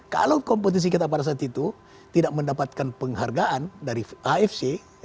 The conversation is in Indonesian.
kalau kompetisi kita pada saat itu tidak mendapatkan penghargaan dari afc